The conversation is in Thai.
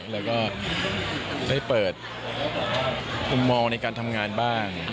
แล้วก็ได้เปิดมุมมองในการทำงานบ้าง